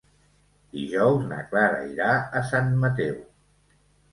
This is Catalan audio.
Dijous na Clara irà a Sant Mateu.